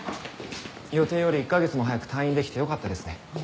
予定より１カ月も早く退院できてよかったですね。